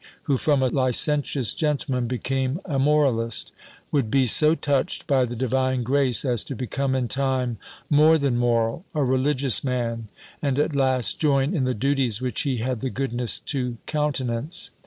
who from a licentious gentleman became a moralist, would be so touched by the divine grace, as to become in time, more than moral, a religious man, and, at last, join in the duties which he had the goodness to countenance.